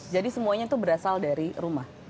jadi semuanya itu berasal dari rumah